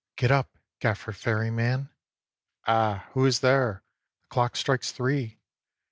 "Get up, Gaffer Ferryman." "Eh! who is there?" The clock strikes three.